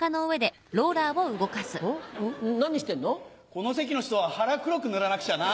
この席の人は腹黒く塗らなくちゃな。